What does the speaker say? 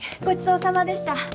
ごちそうさまでした。